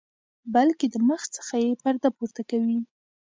بلکې د مخ څخه یې پرده پورته کوي.